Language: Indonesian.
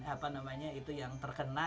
apa namanya itu yang terkena